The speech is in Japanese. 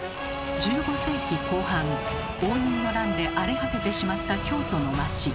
１５世紀後半応仁の乱で荒れ果ててしまった京都の町。